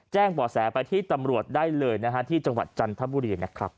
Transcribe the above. แจ้งบ่อแสไปที่ตำรวจได้เลยนะฮะที่จังหวัดจันทบุรีนะครับ